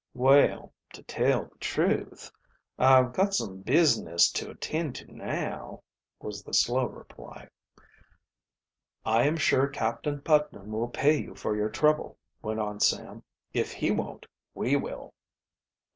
"Well, to tell the truth, I've got some business to attend to now," was the slow reply. "I am sure Captain Putnam will pay you for your trouble," went on Sam. "If he won't, we will."